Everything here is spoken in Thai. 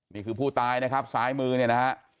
นี่คือผู้ตายนะครับซ้ายมือเนี่ยนะฮะ